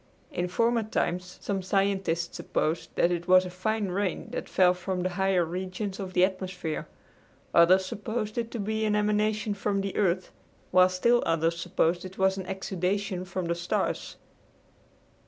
In former times some scientists supposed that it was a fine rain that fell from the higher regions of the atmosphere. Others supposed it to be an emanation from the earth, while still others supposed it was an exudation from the stars.